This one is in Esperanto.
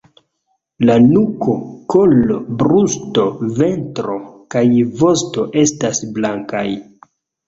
La nuko, kolo, brusto, ventro kaj vosto estas blankaj.